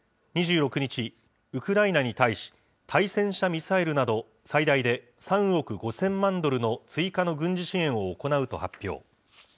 ２６日、ウクライナに対し、対戦車ミサイルなど、最大で３億５０００万ドルの追加の軍事支援を行うと発表。